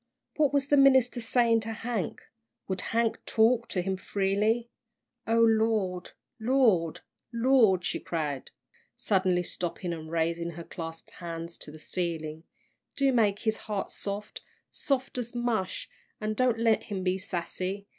What was the minister saying to Hank? Would Hank talk to him freely? "O Lord! Lord! Lord!" she cried, suddenly stopping and raising her clasped hands to the ceiling, "do make his heart soft soft as mush, an' don't let him be sassy.